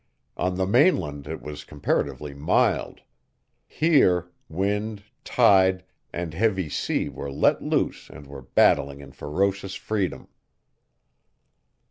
On the mainland it was comparatively mild. Here wind, tide, and heavy sea were let loose and were battling in ferocious freedom.